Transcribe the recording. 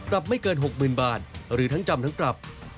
ไม่เกิน๖๐๐๐บาทหรือทั้งจำทั้งปรับ